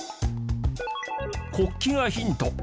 国旗がヒント。